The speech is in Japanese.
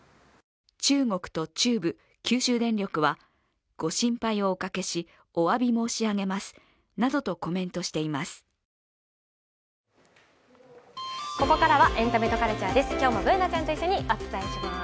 中国と中部、九州電力はご心配をおかけしおわび申し上げますなどとコメントしています。